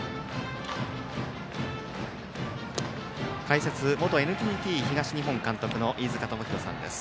解説、元ＮＴＴ東日本監督の飯塚智広さんです。